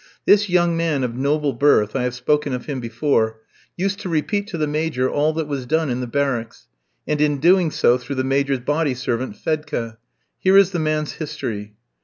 This young man of noble birth I have spoken of him before used to repeat to the Major all that was done in the barracks, and in doing so through the Major's body servant Fedka. Here is the man's history.